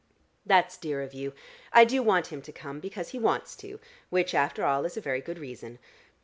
"That's dear of you. I do want him to come because he wants to, which after all is a very good reason.